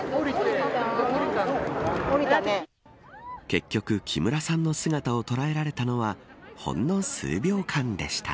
結局、木村さんの姿を捉えられたのはほんの数秒間でした。